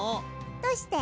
どうして？